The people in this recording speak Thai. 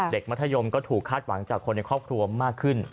มัธยมก็ถูกคาดหวังจากคนในครอบครัวมากขึ้น